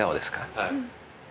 はい。